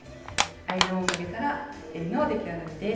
アイロンをかけたらえりの出来上がりです。